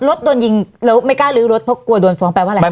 โดนยิงแล้วไม่กล้าลื้อรถเพราะกลัวโดนฟ้องแปลว่าอะไร